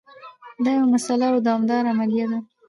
دا یوه مسلسله او دوامداره عملیه ده.